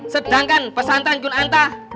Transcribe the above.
sedangkan pesantren kun anta